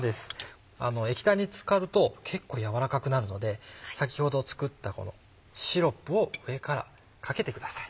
液体につかると結構やわらかくなるので先ほど作ったこのシロップを上からかけてください。